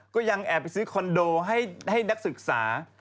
ก็ยังแอบไปซื้อคอนโดให้นักศึกษา